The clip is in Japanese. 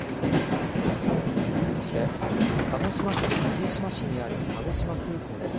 そして鹿児島県霧島市にある鹿児島空港です。